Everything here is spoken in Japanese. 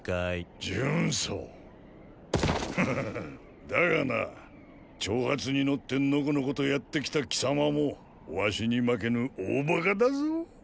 フフフンッだがな挑発に乗ってノコノコとやってきた貴様も儂に負けぬ大馬鹿だぞ。